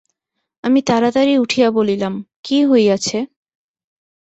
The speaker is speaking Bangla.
আমি তাড়াতাড়ি উঠিয়া বলিলাম, কী হইয়াছে?